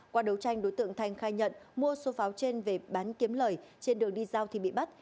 qua đấu tranh đối tượng thanh khai nhận mua số pháo trên về bán kiếm lời trên đường đi giao thì bị bắt